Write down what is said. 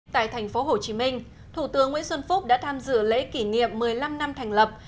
tại thành phố hồ chí minh thủ tướng nguyễn xuân phúc đã tham dự lễ kỷ niệm một mươi năm năm thành lập